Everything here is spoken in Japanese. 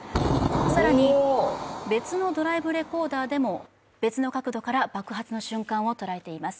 更に別のドライブレコーダーでも別の角度から爆発の瞬間を捉えています。